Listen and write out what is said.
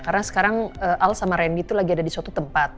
karena sekarang al sama rendy tuh lagi ada di suatu tempat